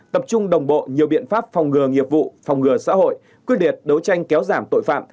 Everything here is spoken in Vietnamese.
tập trung đồng bộ nhiều biện pháp phòng ngừa nghiệp vụ phòng ngừa xã hội quyết liệt đấu tranh kéo giảm tội phạm